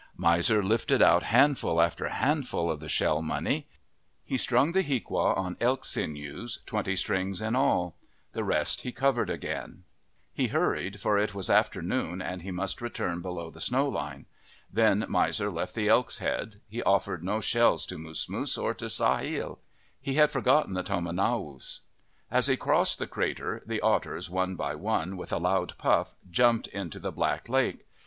Miser lifted out handful after handful of the shell money. He strung the hiaqua on elk sinews, twenty strings in all. The rest he covered again. He 76 SHELLS Taken from an old Indian grave at Fort Columbia OF THE PACIFIC NORTHWEST hurried, for it was after noon and he must return below the snow line. Then Miser left the elk's head. He offered no shells to Moosmoos or to Sahale. He had forgotten the tomanowos. As he crossed the crater, the otters, one by one, with a loud puff, jumped into the black lake.